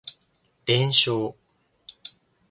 連勝